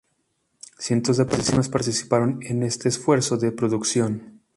Cientos de personas participaron en este esfuerzo de producción.